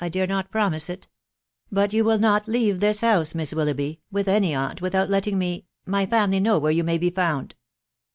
1 dare not promise it !.... But you will not leave this house, Miss Willoughby, with any aunt, without letting me .... my family, know where yon may be found